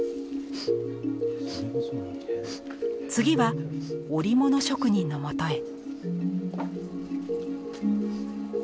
次は織物職人のもとへ。